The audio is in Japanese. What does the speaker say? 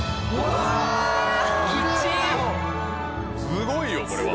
すごいよこれは。